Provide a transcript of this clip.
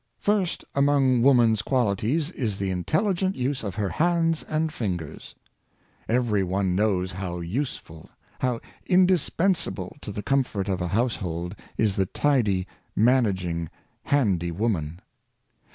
First among woman's qualities is the intelligent use of her hands and fingers. Every one knows how use ful, how indispensable to the comfort of a household, is the tidy, managing, handy woman.